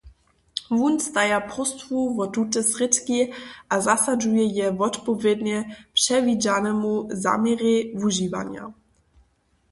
Wón staja próstwu wo tute srědki a zasadźuje je wotpowědnje předwidźanemu zaměrej wužiwanja.